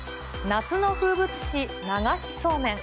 夏の風物詩、流しそうめん。